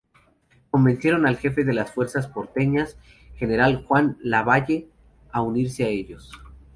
Convencieron al jefe de las fuerzas porteñas, general Juan Lavalle, a unirse a ellos.